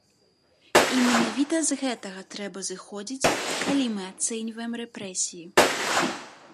І менавіта з гэтага трэба зыходзіць, калі мы ацэньваем рэпрэсіі.